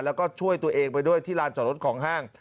แล้วก็ช่วยตัวเองไปด้วยที่ลานจอดรถของห้าง